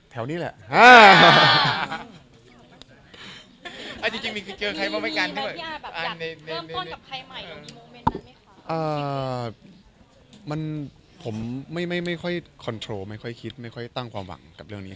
ปีนี้ทั้งปีไม่มีโอกาสเจอใครในราชดารายย์เลยหรือไง